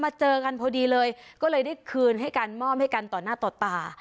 เจอกันพอดีเลยก็เลยได้คืนให้กันมอบให้กันต่อหน้าต่อตา